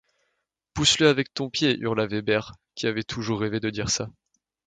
Pousse-le avec ton pied, hurla Weber qui avait toujours rêvé de dire ça.